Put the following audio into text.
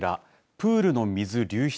プールの水流出